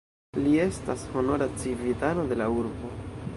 Li estas honora civitano de la urbo.